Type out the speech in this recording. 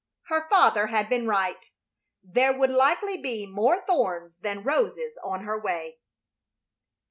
Her father had been right. There would likely be more thorns than roses on her way.